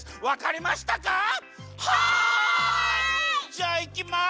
じゃあいきます。